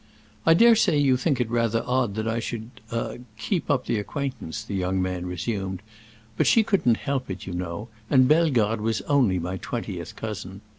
"I dare say you think it rather odd that I should—ah—keep up the acquaintance," the young man resumed; "but she couldn't help it, you know, and Bellegarde was only my twentieth cousin.